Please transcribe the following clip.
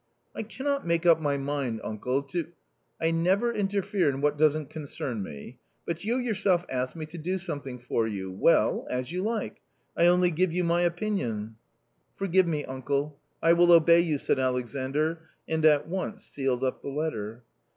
" I cannot make up my mind, uncle, to "" I never interfere in what doesn't concern me, but you yourself asked me to do something for you ; well, as you like ; I only give you my opinion." "Forgive me, uncle; I will obey you," said Alexandr, and at once sealed up the letter.